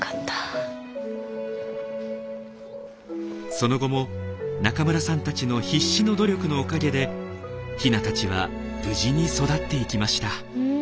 その後も中村さんたちの必死の努力のおかげでヒナたちは無事に育っていきました。